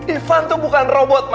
ivan tuh bukan robot